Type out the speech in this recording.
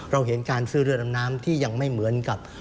เห็นการซื้อเรือดำน้ำที่ยังไม่เหมือนกับ